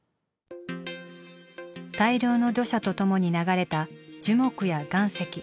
大量の土砂とともに流れた樹木や岩石。